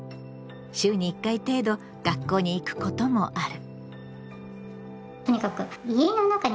週に１回程度学校に行くこともある。